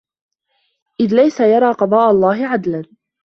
إذْ لَيْسَ يَرَى قَضَاءَ اللَّهِ عَدْلًا